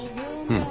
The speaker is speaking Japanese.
うん。